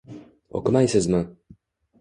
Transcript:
— O‘qimaysizmi?..